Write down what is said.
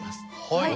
はい。